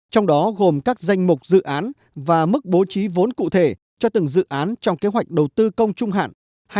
trong đó gồm các danh mục dự án và mức bố trí vốn cụ thể cho từng dự án trong kế hoạch đầu tư công trung hạn hai nghìn một mươi một hai nghìn hai mươi